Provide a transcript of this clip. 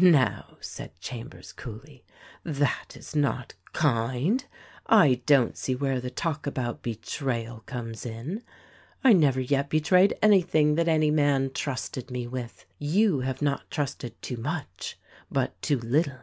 "Now," said Chambers coolly, "that is not kind ! I don't see where the talk about betrayal comes in. I never yet be trayed anything that any man trusted me with. You have not trusted too much, but too little.